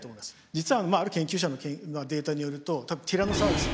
実はまあある研究者のデータによるとティラノサウルス。